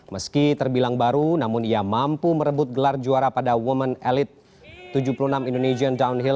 meski terbilang baru namun ia mampu merebut gelar juara pada women elite tujuh puluh enam indonesian downhill dua ribu tujuh belas